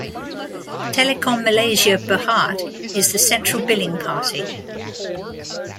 Telekom Malaysia Berhad is the Central Billing Party.